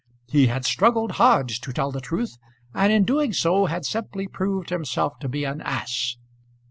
He had struggled hard to tell the truth, and in doing so had simply proved himself to be an ass.